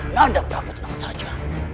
nanda prabu tenang saja